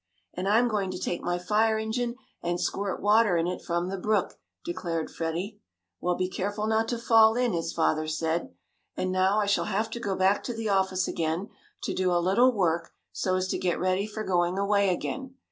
"And I'm going to take my fire engine, and squirt water in it from the brook," declared Freddie. "Well, be careful not to fall in," his father said. "And now I shall have to go back to the office again, to do a little work so as to get ready for going away again.